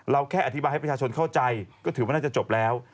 แค่อธิบายให้ประชาชนเข้าใจก็ถือว่าน่าจะจบแล้ว